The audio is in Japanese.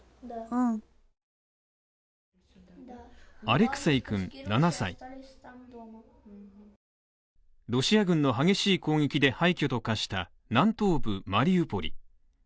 アレクセイくん７歳ロシア軍の激しい攻撃で廃墟と化した南東部マリウポリ